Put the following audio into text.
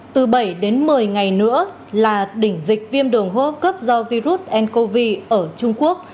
từ bảy đến một mươi ngày nữa là đỉnh dịch viêm đường hô hấp cấp do virus ncov ở trung quốc